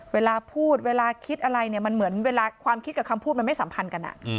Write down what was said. เวลาพูดเวลาคิดอะไรความคิดกับคำพูดมันไม่สัมผัน